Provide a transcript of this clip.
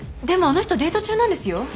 でもあの人デート中なんですよ。